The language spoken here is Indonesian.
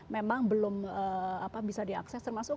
memang belum bisa diakses termasuk